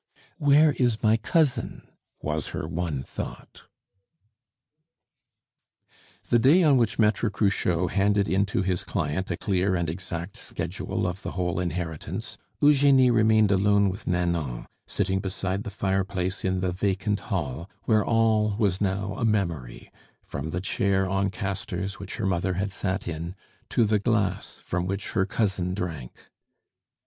"Where is my cousin?" was her one thought. The day on which Maitre Cruchot handed in to his client a clear and exact schedule of the whole inheritance, Eugenie remained alone with Nanon, sitting beside the fireplace in the vacant hall, where all was now a memory, from the chair on castors which her mother had sat in, to the glass from which her cousin drank.